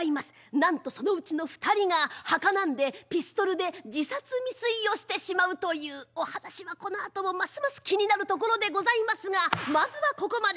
なんとそのうちの２人がはかなんでピストルで自殺未遂をしてしまうというお話はこのあともますます気になるところでございますがまずはここまで。